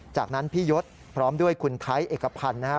จากนั้นพี่ยศพร้อมด้วยคุณไทยเอกพันธ์นะครับ